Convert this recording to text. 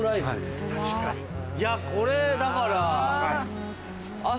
いやこれだから朝。